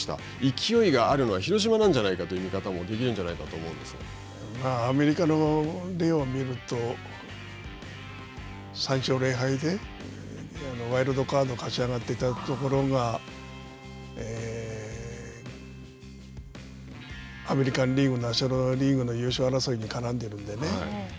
勢いがあるのは広島なんじゃないかという味方もできるんじゃないアメリカの例を見ると、３勝０敗でワイルドカード、勝ち上がってたところがアメリカンリーグ、ナショナルリーグの優勝争いに絡んでいるんでね。